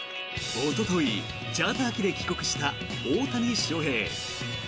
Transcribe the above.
おとといチャーター機で帰国した大谷翔平。